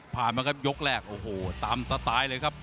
ผ่านมาครับยกแรกตามสไตล์เลยครับ